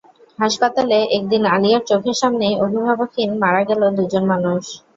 হাসপাতালে একদিন আলিয়ার চোখের সামনেই অভিভাবকহীন মারা গেল দুজন মানুষ।